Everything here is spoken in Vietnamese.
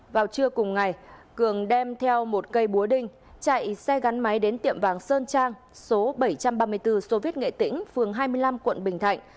vào trưa cùng ngày cường đem theo một cây búa đinh chạy xe gắn máy đến tiệm vàng sơn trang số bảy trăm ba mươi bốn sô viết nghệ tĩnh phường hai mươi năm quận bình thạnh